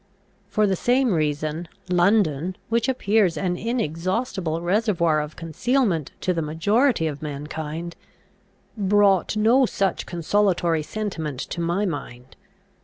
For the same reason, London, which appears an inexhaustible reservoir of concealment to the majority of mankind, brought no such consolatory sentiment to my mind.